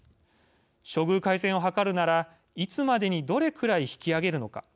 処遇改善を図るならいつまでにどれくらい引き上げるのか。